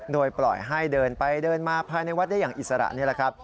โดยปล่อยให้เดินไปเดินมาภายในวัดได้อย่างอิสระนี่แหละครับ